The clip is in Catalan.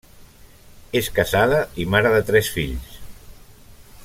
És casada i mare de tres fills.